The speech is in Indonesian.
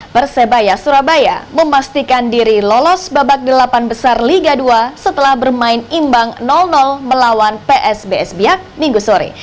persebaya surabaya memastikan diri lolos babak delapan besar liga dua setelah bermain imbang melawan psbs biak minggu sore